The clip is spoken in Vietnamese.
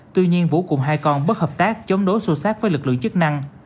tuy nhiên vũ cùng hai con bất hợp tác chống đối sô sát với lực lượng chức năng